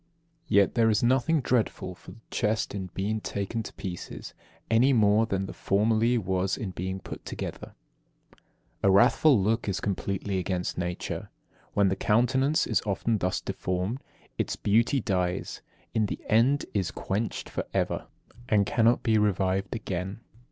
Yet there is nothing dreadful for the chest in being taken to pieces, any more than there formerly was in being put together. 24. A wrathful look is completely against nature. When the countenance is often thus deformed, its beauty dies, in the end is quenched for ever, and cannot be revived again.